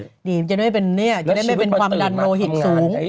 อย่างนี้จะได้เป็นความดันโรหิตสูง